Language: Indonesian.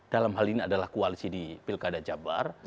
dalam hal ini adalah koalisi di pilkada jabar